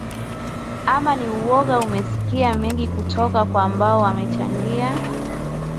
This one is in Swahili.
ama ni uoga umesikia mengi kutoka kwa ambao wamechangia